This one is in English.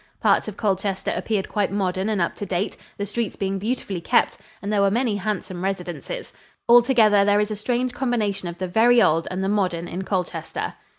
Parts of Colchester appeared quite modern and up to date, the streets being beautifully kept, and there were many handsome residences. Altogether, there is a strange combination of the very old and the modern in Colchester.